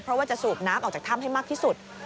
เพราะว่าจะสูบน้ำออกจากถ้ำให้มากที่สุด